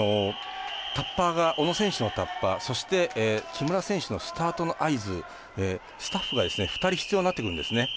タッパーが、小野選手のタッパーそして木村選手のスタートの合図スタッフが２人必要になってくるんですね。